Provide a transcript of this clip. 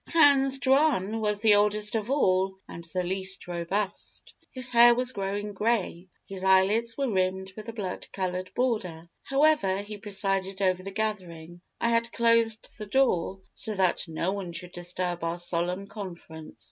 Hans Jaun was the oldest of all and the least robust. His hair was growing grey, his eyelids were rimmed with a blood coloured border. However, he presided over the gathering. I had closed the door, so that no one should disturb our solemn conference.